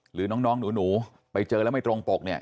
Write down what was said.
หรือน้องหนูไปเจอแล้วไม่ตรงปกเนี่ย